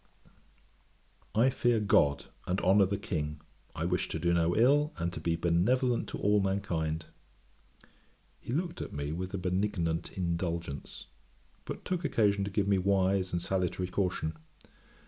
I fear GOD, and honour the King, I wish to do no ill, and to be benevolent to all mankind.' He looked at me with a benignant indulgence; but took occasion to give me wise and salutary caution.